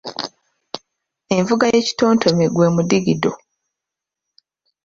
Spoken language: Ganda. Envuga y’ekitontome gwe mudigido.